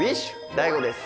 ＤＡＩＧＯです。